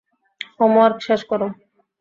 Homework শেষ কর।